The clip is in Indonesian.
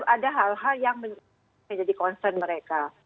ada hal hal yang menjadi concern mereka